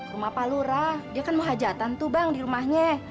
rumah pak lura dia kan mau hajatan tuh bang di rumahnya